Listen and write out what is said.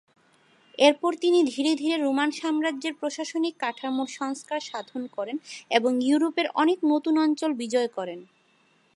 এরপর তিনি ধীরে ধীরে রোমান সাম্রাজ্যের প্রশাসনিক কাঠামোর সংস্কার সাধন করেন এবং ইউরোপের অনেক নতুন অঞ্চল বিজয় করেন।